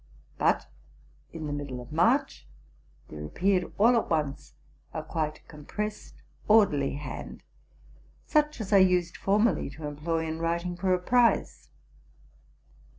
But, in the middie of March, there appeared all at once a quite compre essed, orderly hand, such as I used formerly to employ in writing for a prize.